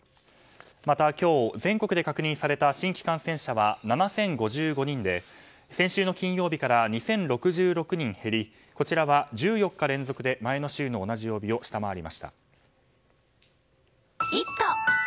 また、今日全国で確認された新規感染者は７０５５人で先週の金曜日から２０６６人減りこちらは１４日連続で前の週の同じ曜日を下回りました。